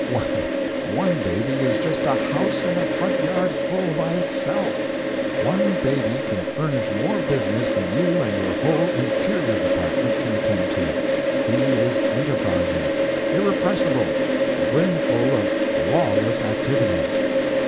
Why, one baby is just a house and a front yard full by itself. One baby can furnish more business than you and your whole Interior 66 Digitized by VjOOQ iC THE BABIES Department can attend to. He is enterprising, irrepressible, brimful of lawless activities.